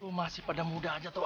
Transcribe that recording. oh masih pada muda aja tuh